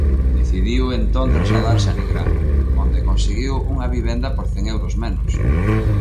Decidiu entón trasladarse a Nigrán, onde conseguiu unha vivenda por cen euros menos.